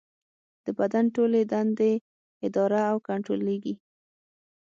د بدن ټولې دندې اداره او کنټرولېږي.